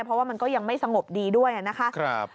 เพราะว่ามันก็ยังไม่สงบดีด้วยนะคะ